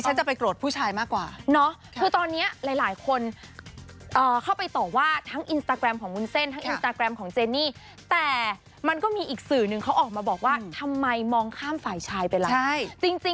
เอาสู้จังหวังเวลานี้แหละพอเหมาะพอเจาะพอดี